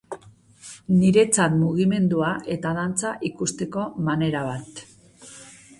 Niretzat mugimendua eta dantza ikusteko manera bat.